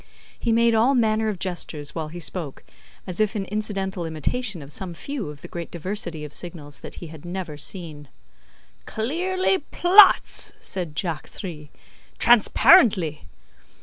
He made all manner of gestures while he spoke, as if in incidental imitation of some few of the great diversity of signals that he had never seen. "Clearly plots," said Jacques Three. "Transparently!"